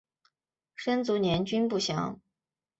生卒年均不详。